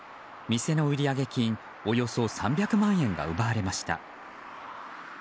店の売上金およそ３００万円が奪われました。